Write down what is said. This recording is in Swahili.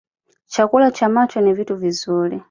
Chakula cha macho ni vitu vizuri